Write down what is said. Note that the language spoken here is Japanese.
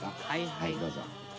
はいどうぞ。